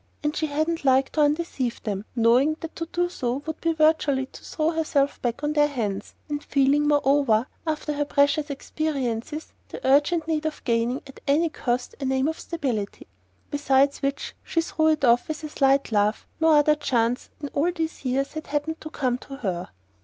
And she hadn't liked to undeceive them, knowing that to do so would be virtually to throw herself back on their hands, and feeling, moreover, after her previous experiences, the urgent need of gaining, at any cost, a name for stability; besides which she threw it off with a slight laugh no other chance, in all these years, had happened to come to her.